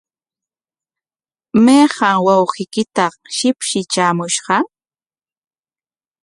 ¿Mayqa wawqiykitaq shipshi traamushqa?